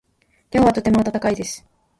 今日はとても暖かいです。